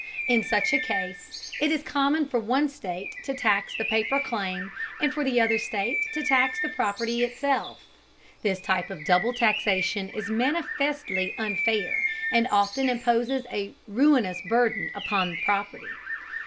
In such a case, it is common for one state to tax the paper claim, and for the other state to tax the property itself. This type of double taxation is manifestly unfair, and often imposes a ruinous burden upon property.